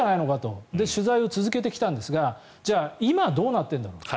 それで取材を続けてきたんですがじゃあ、今どうなっているんだろうと。